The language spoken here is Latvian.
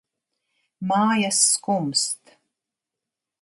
Mājas skumst.